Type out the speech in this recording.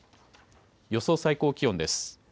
予想最高気温です。